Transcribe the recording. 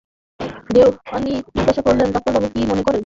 দেওয়ানজি জিজ্ঞাসা করলেন, ডাক্তারবাবু, কী মনে করেন?